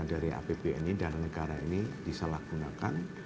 dana dari apbni dana negara ini disalahgunakan